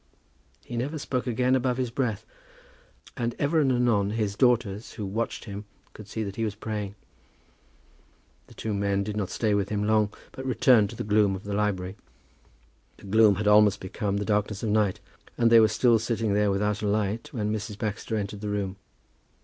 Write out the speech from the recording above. He never spoke again above his breath; but ever and anon his daughters, who watched him, could see that he was praying. The two men did not stay with him long, but returned to the gloom of the library. The gloom had almost become the darkness of night, and they were still sitting there without any light, when Mrs. Baxter entered the room.